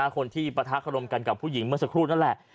คนที่ปะทะขรมกันกับผู้หญิงเมื่อสักครู่นั่นแหละ